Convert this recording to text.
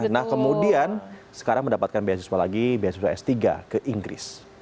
nah kemudian sekarang mendapatkan beasiswa lagi beasiswa s tiga ke inggris